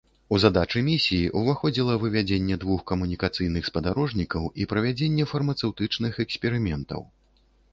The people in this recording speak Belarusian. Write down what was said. У задачы місіі ўваходзіла вывядзенне двух камунікацыйных спадарожнікаў і правядзенне фармацэўтычных эксперыментаў.